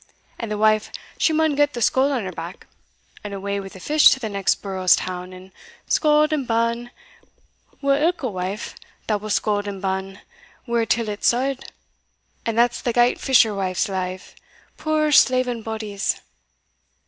And the wife she maun get the scull on her back, and awa wi' the fish to the next burrows town, and scauld and ban wi'ilka wife that will scauld and ban wi'her till it's sauld and that's the gait fisher wives live, puir slaving bodies."